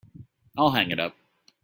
I'll hang it up.